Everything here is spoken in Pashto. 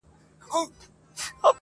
• راته راوړی لیک مي رویبار دی -